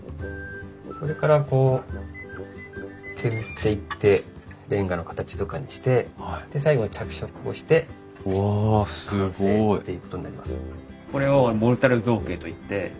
それからこう削っていってレンガの形とかにしてで最後に着色をして完成っていうことになります。